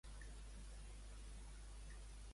Em fas el favor de baixar la potència de la làmpada?